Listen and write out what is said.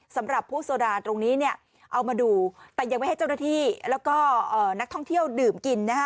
สำหรับผู้โซดาตรงนี้เนี่ยเอามาดูแต่ยังไม่ให้เจ้าหน้าที่แล้วก็นักท่องเที่ยวดื่มกินนะฮะ